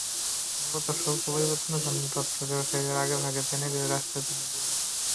মূলত শুল্ক পরিবর্তনের তথ্য ব্যবসায়ীরা আগেভাগে জেনে গেলে রাষ্ট্রের জন্যই বিপদ।